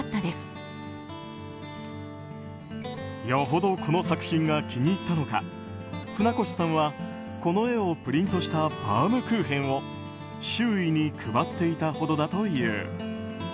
よほどこの作品が気に入ったのか船越さんはこの絵をプリントしたバウムクーヘンを周囲に配っていたほどだという。